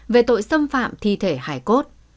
về tội xâm phạm thi thể hải cốt